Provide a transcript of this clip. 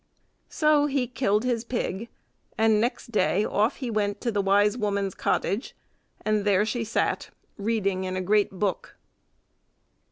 So he killed his pig, and next day off he went to the wise woman's cottage, and there she sat, reading in a great book.